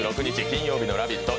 金曜日の「ラヴィット！」